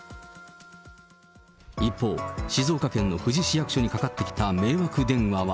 一方、静岡県の富士市役所にかかってきた迷惑電話は。